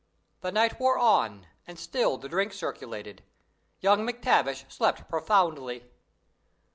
"The night wore on, and still the drinks circulated. Young MacTavish slept profoundly.